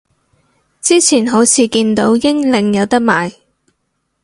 之前好似見到英領有得賣